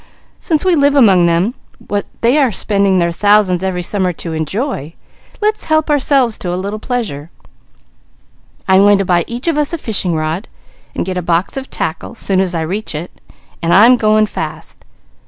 Since we live among what they are spending their thousands every summer to enjoy, let's help ourselves to a little pleasure. I am going to buy each of us a fishing rod, and get a box of tackle, soon as I reach it, and I'm going fast.